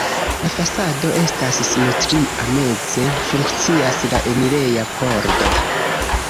La fasado estas simetria, meze funkcias la enireja pordo.